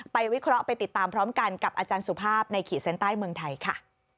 วิเคราะห์ไปติดตามพร้อมกันกับอาจารย์สุภาพในขีดเส้นใต้เมืองไทยค่ะ